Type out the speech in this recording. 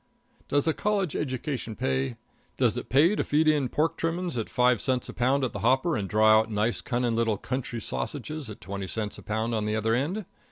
Does a College education pay? Does it pay to feed in pork trimmings at five cents a pound at the hopper and draw out nice, cunning, little "country" sausages at twenty cents a pound at the other end?